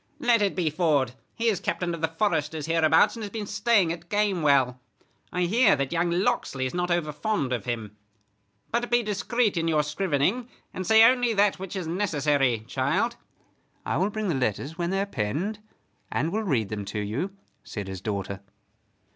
"Let it be Ford; he is captain of the foresters hereabouts, and has been staying at Gamewell. I hear that young Locksley is not over fond of him. But be discreet in your scrivening, and say only that which is necessary, child." "I will bring the letters when they are penned, and will read them to you," said his daughter.